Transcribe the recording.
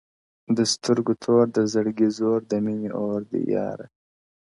o د سترگو تور . د زړگـــي زور. د ميني اوردی ياره.